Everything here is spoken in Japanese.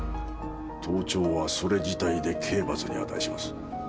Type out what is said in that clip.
盗聴はそれ自体で刑罰に値します。